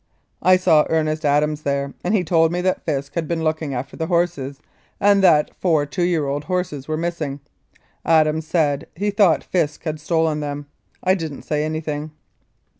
I saw Ernest Adams then, and he told me that Fisk had been looking after the horses and that four two year old horses were missing. Adams said he thought Fisk had stolen them. I didn't say anything.